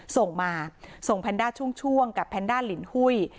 ส่งมาส่งแพนด้าช่วงกับแพนด้าลินหุ้ย